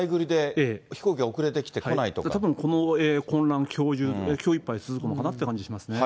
たぶんこの混乱はきょういっぱい続くのかなって感じしますね。